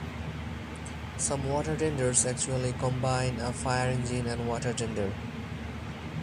Some water tenders actually combine a fire engine and water tender.